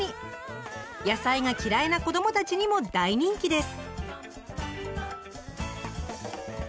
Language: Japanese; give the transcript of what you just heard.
野菜が嫌いな子どもたちにも大人気です。